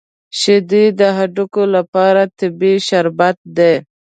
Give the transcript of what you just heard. شیدې د هډوکو لپاره طبیعي شربت دی